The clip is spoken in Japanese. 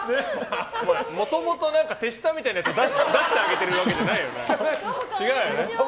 もともと手下みたいなので出してあげてるわけじゃないよね。